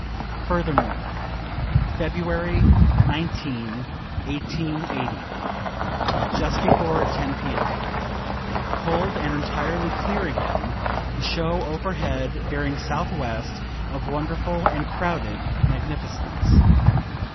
Furthermore. February 19, 1880. Just before 10 P.M. cold and entirely clear again, the show overhead, bearing southwest, of wonderful and crowded magnificence.